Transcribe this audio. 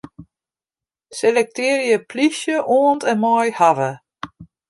Selektearje 'plysje' oant en mei 'hawwe'.